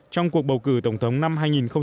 trong cuộc bầu cử tổng thống năm hai nghìn tám